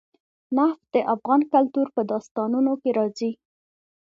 نفت د افغان کلتور په داستانونو کې راځي.